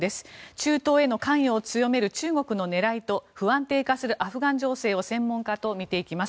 中東への関与を強める中国の狙いと、不安定化するアフガン情勢を専門家と見ていきます。